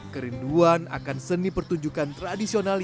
kerinduan akan seni pertunjukan tradisional